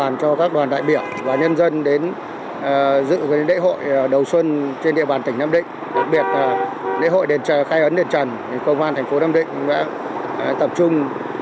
nhu cầu tín ngưỡng của nhân dân và du khách thập phương